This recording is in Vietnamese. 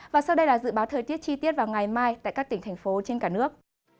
và sau đây là dự báo thời tiết chi tiết vào ngày mai tại các tỉnh thành phố trên cả nước